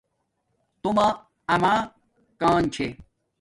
تومہ اما کان چھے